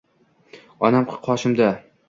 Onam qoshimda.